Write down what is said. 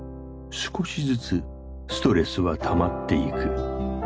少しずつストレスはたまっていく。